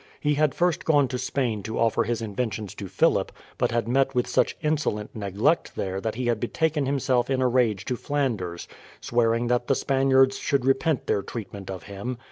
He had first gone to Spain to offer his inventions to Philip, but had met with such insolent neglect there that he had betaken himself in a rage to Flanders, swearing that the Spaniards should repent their treatment of him.